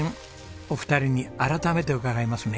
お二人に改めて伺いますね。